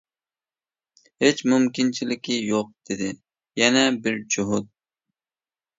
-ھېچ مۇمكىنچىلىكى يوق-دېدى يەنە بىر جوھۇت.